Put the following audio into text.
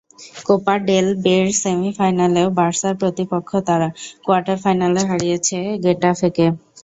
Copa del রের সেমিফাইনালেও বার্সার প্রতিপক্ষ তারা, কোয়ার্টার ফাইনালে হারিয়েছে গেটাফেকে।